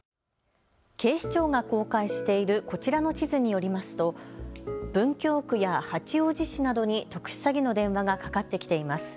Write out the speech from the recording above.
警視庁が公開しているこちらの地図によりますと文京区や八王子市などに特殊詐欺の電話がかかってきています。